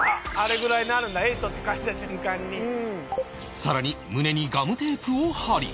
さらに胸にガムテープを貼り